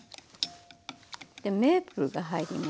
でメープルが入ります。